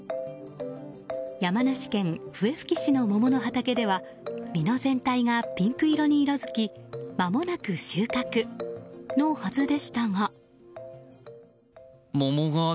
山梨県笛吹市の桃の畑では実の全体がピンク色に色づきまもなく収穫のはずでしたが。